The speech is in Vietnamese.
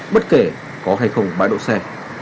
bất kể có hay không bãi độ xe